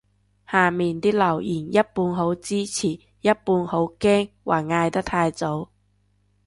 下面啲留言一半好支持一半好驚話嗌得太早